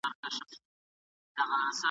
دسبا د جنګ په تمه .